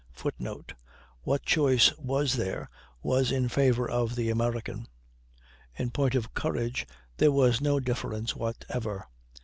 [Footnote: What choice there was, was in favor of the American. In point of courage there was no difference whatever.